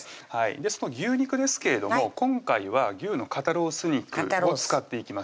その牛肉ですけれども今回は牛の肩ロース肉を使っていきます